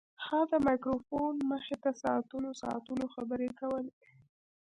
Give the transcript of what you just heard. هغه د مایکروفون مخې ته ساعتونه ساعتونه خبرې کولې